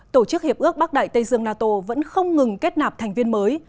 tổ chức hiệp ước bắc đại tây dương nato vẫn không ngừng kết nạp thành viên mới